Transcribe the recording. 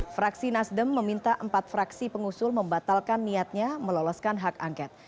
fraksi nasdem meminta empat fraksi pengusul membatalkan niatnya meloloskan hak angket